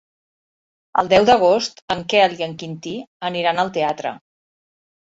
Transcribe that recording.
El deu d'agost en Quel i en Quintí aniran al teatre.